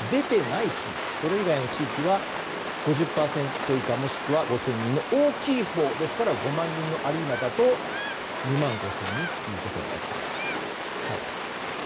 それ以外の地域は５０％以下もしくは５０００人の大きいほうですから５万人のアリーナだと２万５０００人ということになります。